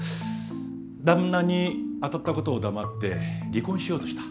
旦那に当たったことを黙って離婚しようとした。